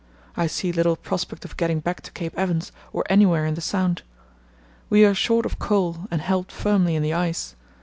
I see little prospect of getting back to Cape Evans or anywhere in the Sound. We are short of coal and held firmly in the ice.